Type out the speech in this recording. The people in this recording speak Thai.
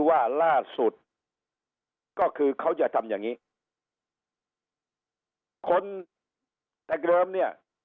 ว่าล่าสุดก็คือเขาจะทำอย่างงี้คนแต่เดิมเนี่ย